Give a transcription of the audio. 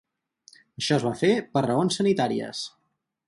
Això es va fer per raons sanitàries.